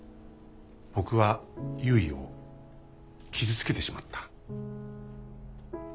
僕はゆいを傷つけてしまった。